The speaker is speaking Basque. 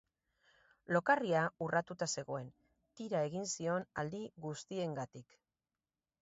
Lokarria urratuta zegoen, tira egin zion aldi guztiengatik.